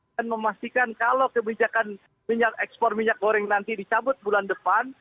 dan memastikan kalau kebijakan ekspor minyak goreng nanti dicabut bulan depan